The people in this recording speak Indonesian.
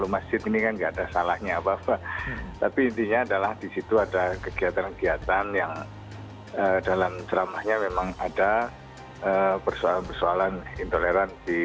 masjid ini kan enggak ada salahnya apa apa tapi intinya adalah disitu ada kegiatan kegiatan yang dalam dramanya memang ada persoalan persoalan intoleransi